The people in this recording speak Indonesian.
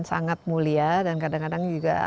sangat mulia dan kadang kadang juga